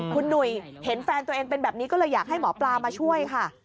คุณหนุ่ยเห็นแฟนตัวเองเป็นแบบนี้ก็เลยอยากให้หมอปลามาช่วยค่ะ